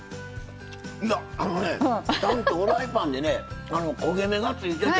いやあのねちゃんとフライパンでね焦げ目がついてて。